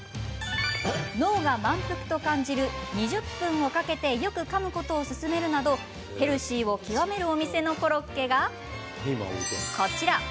脳が満腹と感じる２０分をかけてよくかむことを勧めるなどヘルシーを極めるお店のコロッケがこちら。